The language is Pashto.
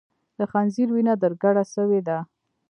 د خنځیر وینه در کډه سوې ده